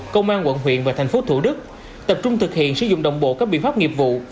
công an quận huyện và thành phố thủ đức tập trung thực hiện sử dụng đồng bộ các biện pháp nghiệp vụ